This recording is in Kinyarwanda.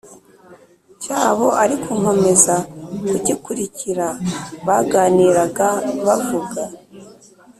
cyabo ariko nkomeza kugikurikira. Baganiraga bavuga